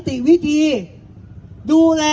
สวัสดีครับ